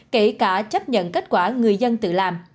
kể cả chấp nhận kết quả người dân tự làm